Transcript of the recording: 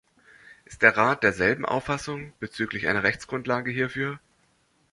Ist der Rat derselben Auffassung bezüglich einer Rechtsgrundlage hierfür?